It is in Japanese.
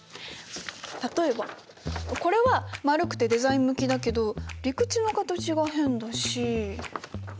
例えばこれは丸くてデザイン向きだけど陸地の形が変だし。